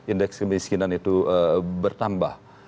indeks kemiskinan itu bertambah